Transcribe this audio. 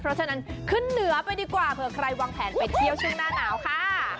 เพราะฉะนั้นขึ้นเหนือไปดีกว่าเผื่อใครวางแผนไปเที่ยวช่วงหน้าหนาวค่ะ